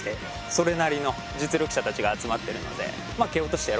それなりの実力者たちが集まってるので。